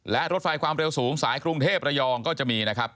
และรถไฟความเร็วสูงสายกรุงเทพระยองก็จะมีนะครับ